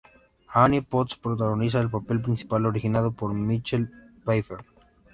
Annie Potts protagoniza el papel principal originado por Michelle Pfeiffer.